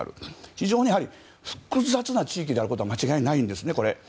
非常に複雑な地域であることは間違いないんですね。